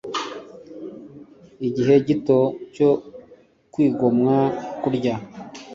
igihe gito cyo kwigomwa kurya,